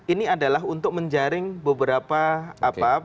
ini adalah untuk menjaring beberapa bagian dari komunikasi yang dihadirkan